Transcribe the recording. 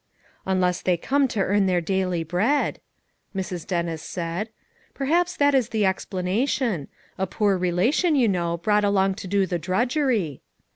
" Unless they come to earn their daily bread," Mrs. Dennis said. "Perhaps that is the ex planation ; a poor relation, you know, brought along to do the drudgery."